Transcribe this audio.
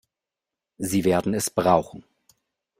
Sie werden es brauchen.